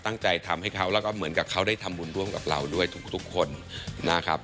ตั้งใจทำให้เขาแล้วก็เหมือนกับเขาได้ทำบุญร่วมกับเราด้วยทุกคนนะครับ